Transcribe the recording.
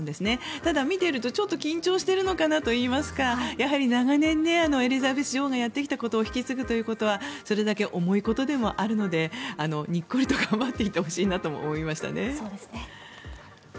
ただ見ていると、ちょっと緊張しているのかなといいますかやはり長年、エリザベス女王がやってきたことを引き継ぐということはそれだけ重いことでもあるのでニッコリと頑張っていってほしいと思いました。